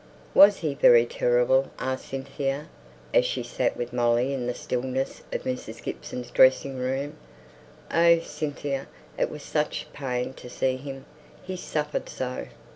"Was he very terrible?" asked Cynthia, as she sate with Molly in the stillness of Mrs. Gibson's dressing room. "Oh, Cynthia, it was such pain to see him, he suffered so!"